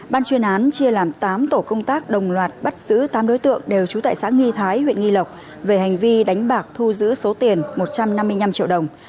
bắt giữ tám đối tượng đều trú tại xã nghi thái huyện nghi lộc về hành vi đánh bạc thu giữ số tiền một trăm năm mươi năm triệu đồng